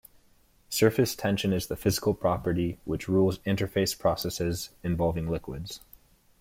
Surface tension is the physical property which rules interface processes involving liquids.